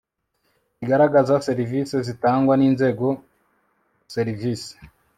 zigaragaza serivisi zitangwa n inzego service